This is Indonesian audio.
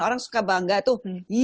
orang suka bangga tuh